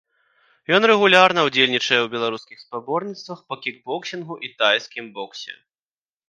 Ён рэгулярна ўдзельнічае ў беларускіх спаборніцтвах па кікбоксінгу і тайскім боксе.